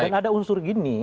dan ada unsur gini